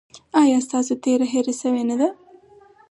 ایا ستاسو تیره هیره شوې نه ده؟